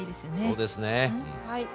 そうですね。